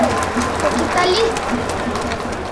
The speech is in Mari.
Пакиталист!